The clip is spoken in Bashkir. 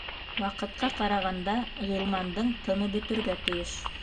Ваҡытҡа ҡарағанда, Ғилмандың тыны бөтөргә тейеш.